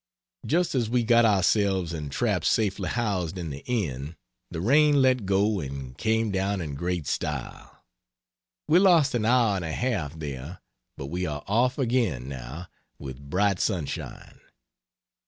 Just as we got ourselves and traps safely housed in the inn, the rain let go and came down in great style. We lost an hour and a half there, but we are off again, now, with bright sunshine.